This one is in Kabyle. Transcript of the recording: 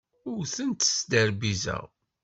Ur tent-sderbizeɣ.